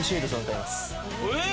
えっ！？